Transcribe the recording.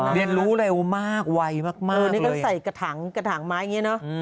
เรียนรู้เร็วมากไวมากนี่ก็ใส่กระถางกระถางไม้อย่างนี้เนอะ